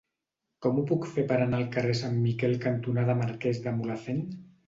Com ho puc fer per anar al carrer Sant Miquel cantonada Marquès de Mulhacén?